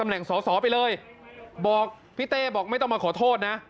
แหล่งสอสอไปเลยบอกพี่เต้บอกไม่ต้องมาขอโทษนะ